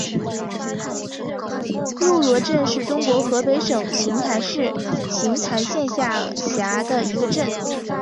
路罗镇是中国河北省邢台市邢台县下辖的一个镇。